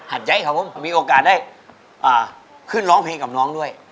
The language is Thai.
หัดใจครับผมมีโอกาสได้ขึ้นร้องเพลงกับน้องด้วย